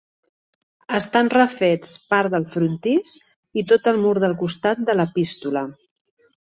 Estant refets part del frontis i tot el mur del costat de l'epístola.